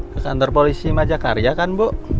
ke kantor polisi majakarya kan bu